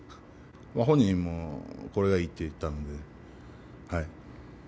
本人もこれがいいと言ったので、はい。